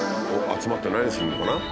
集まって何するのかな？